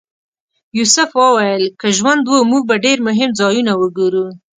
یوسف وویل که ژوند و موږ به ډېر مهم ځایونه وګورو.